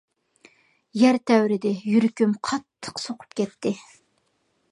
يەر تەۋرىدى، يۈرىكىم قاتتىق سوقۇپ كەتتى.